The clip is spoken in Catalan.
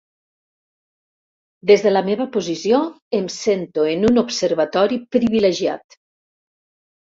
Des de la meva posició em sento en un observatori privilegiat.